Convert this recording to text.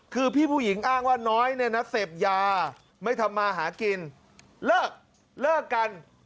จ๊ะจ๊ะจ๊ะจ๊ะจ๊ะจ๊ะจ๊ะจ๊ะจ๊ะ